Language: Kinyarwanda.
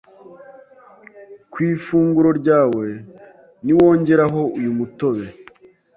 Ku ifunguro ryawe niwongeraho uyu mutobe